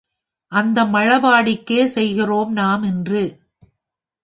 அந்த மழபாடிக்கே செல்கிறோம் நாம் இன்று.